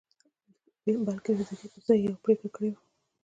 بلکې د دې پر ځای يې يوه پرېکړه کړې وه.